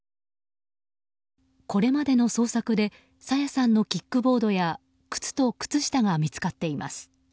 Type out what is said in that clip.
これまでの捜索で朝芽さんのキックボードや靴と靴下が見つかっています。